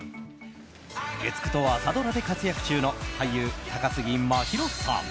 月９と朝ドラで活躍中の俳優、高杉真宙さん。